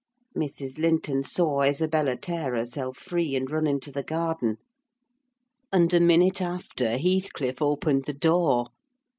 Mrs. Linton saw Isabella tear herself free, and run into the garden; and a minute after, Heathcliff opened the door.